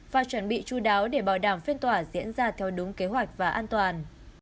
và chuẩn bị chú đáo để bảo đảm phiên tòa diễn ra theo đúng kế hoạch và an toàn